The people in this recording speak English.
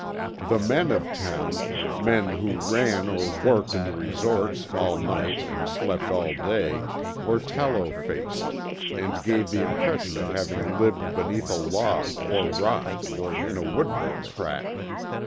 The men of town, men who ran or worked in the resorts all night and slept all day, were tallow faced, and gave the impression of having lived beneath a log or rock or in a woodwork crack.